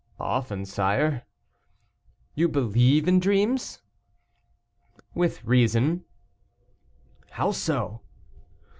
"Often, sire." "You believe in dreams?" "With reason." "How so?"